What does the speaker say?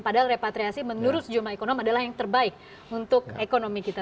padahal repatriasi menurut sejumlah ekonomi adalah yang terbaik untuk ekonomi kita